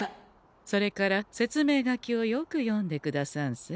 それから説明書きをよく読んでくださんせ。